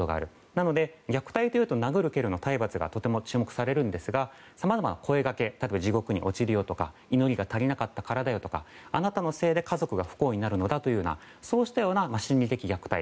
なので、虐待というと殴る蹴るの体罰がとても注目されるんですがさまざまな声掛け地獄に落ちるよとか祈りが足りなかったからだよとかあなたのせいで家族が不幸になるというようなそうしたような心理的虐待。